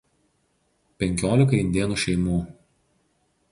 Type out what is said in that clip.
penkiolika indėnų šeimų